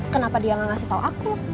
kenapa dia gak ngasih tau aku